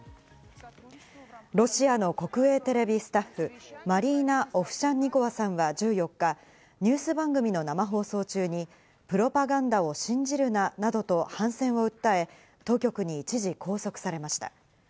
ロシアの国営テレビスタッフ、マリーナ・オフシャンニコワさんは１４日、ニュース番組の生放送中にプロパガンダを信じるななどと反戦を訴え、当局に一時拘束されました。